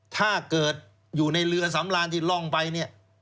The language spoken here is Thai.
ถ้าเกิดอยู่ในเรือสำรานที่ร่องไปเนี่ย